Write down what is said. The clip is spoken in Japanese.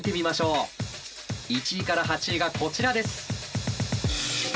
１位から８位がこちらです。